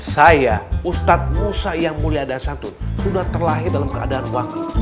saya ustadz musa yang mulia dan satu sudah terlahir dalam keadaan wangi